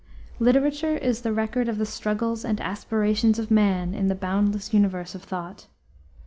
Literature is the record of the struggles and aspirations of man in the boundless universe of thought.